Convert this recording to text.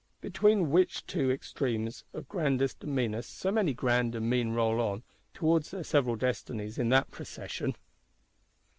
Between which two extremes of grandest and meanest, so many grand and mean roll on, towards their several destinies, in that Procession!